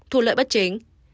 thu lợi bất chính